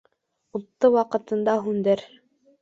Утты ваҡытында һүндер.